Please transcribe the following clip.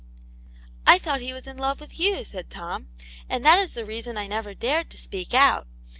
I thought he v/as in love with you," said Tom, "and that is the reason I never dared to speak out.